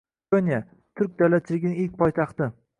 Ko‘nya – turk davlatchiligining ilk poytaxti